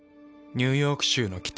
ニューヨーク州の北。